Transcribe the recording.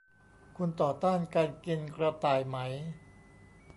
"คุณต่อต้านการกินกระต่ายไหม ?"